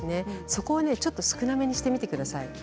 そこを少なめにしてみてください。